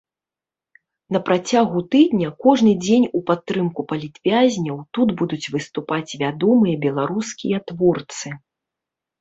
На працягу тыдня кожны дзень у падтрымку палітвязняў тут будуць выступаць вядомыя беларускія творцы.